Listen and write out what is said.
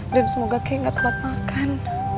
dan semoga kay enggak telat makan